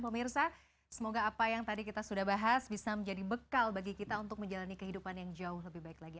pemirsa semoga apa yang tadi kita sudah bahas bisa menjadi bekal bagi kita untuk menjalani kehidupan yang jauh lebih baik lagi